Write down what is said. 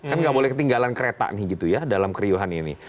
kan nggak boleh ketinggalan kereta nih gitu ya dalam keriuhan ini